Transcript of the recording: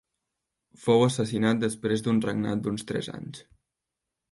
Fou assassinat després d'un regnat d'uns tres anys.